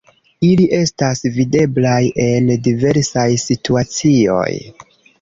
Ili estas videblaj en diversaj situacioj.